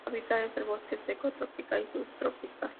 Su hábitat es el bosque seco tropical y subtropical.